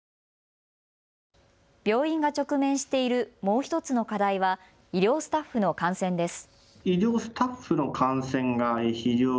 病院が直面している、もう１つの課題は医療スタッフの感染です。